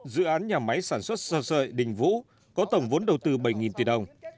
dự án nhà máy sản xuất sơ sợi đình vũ có tổng vốn đầu tư bảy tỷ đồng